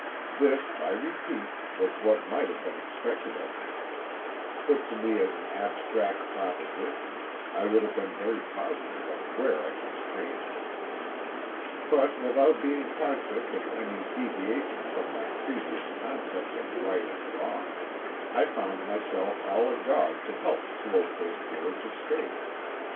This, I repeat, was what might have been expected of me: Put to me as an abstract proposition, I would have been very positive of where I should stand. But without being conscious of any deviation from my previous concepts of right and wrong, I found myself all agog to help Slowfoot George escape.